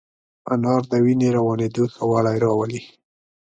انار د وینې روانېدو ښه والی راولي.